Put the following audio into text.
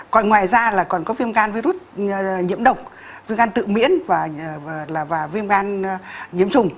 còn ngoài ra là còn có viêm gan virus nhiễm độc viêm gan tự miễn và viêm gan nhiễm trùng